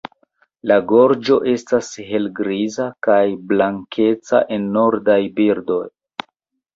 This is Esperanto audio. La gorĝo estas helgriza, kaj blankeca en nordaj birdoj.